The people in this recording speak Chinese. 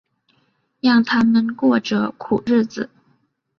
让他们过着苦日子